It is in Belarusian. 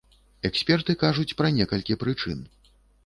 Эксперты кажуць пра некалькі прычын.